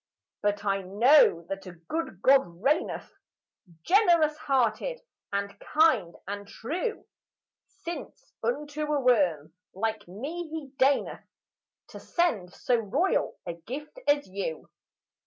But I know that a good God reigneth, Generous hearted and kind and true; Since unto a worm like me he deigneth To send so royal a gift as you.